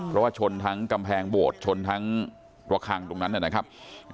เพราะว่าชนทั้งกำแพงโบสถ์ชนทั้งระคังตรงนั้นนะครับ